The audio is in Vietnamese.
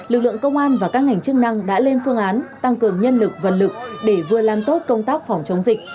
lực lượng công an và các ngành chức năng đã lên phương án tăng cường nhân lực vật lực để vừa làm tốt công tác phòng chống dịch